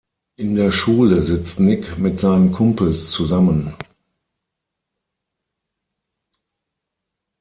In der Schule sitzt Nick mit seinen Kumpels zusammen.